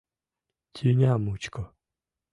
Тӱня мучко